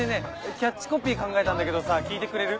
キャッチコピー考えたんだけどさ聞いてくれる？